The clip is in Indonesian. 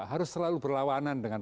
harus selalu berlawanan dengan